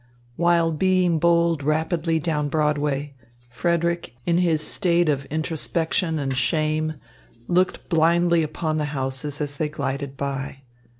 While being bowled rapidly down Broadway, Frederick, in his state of introspection and shame, looked blindly upon the houses as they glided by.